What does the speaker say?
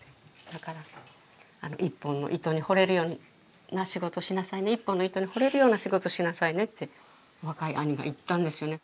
だから一本の糸にほれるような仕事しなさいね一本の糸にほれるような仕事しなさいねって若い兄が言ったんですよね。